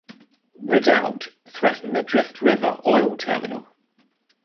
Redoubt threatened the Drift River oil terminal.